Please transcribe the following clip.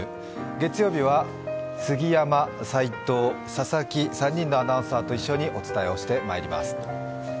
月曜日は杉山、齋藤、佐々木、３人のアナウンサーと一緒にお伝えしてまいります。